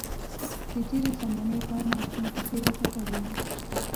د تېرې زمانې پند او خوند کیسې راته کوي.